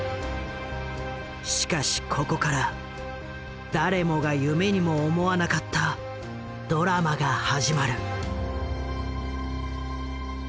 しかしここから誰もが夢にも思わなかったドラマが始まる。